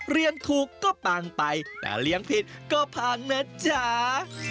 เรียนถูกก็ปังไปแต่เลี้ยงผิดก็พังนะจ๊ะ